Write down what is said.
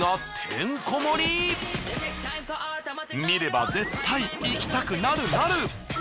見れば絶対行きたくなるなる！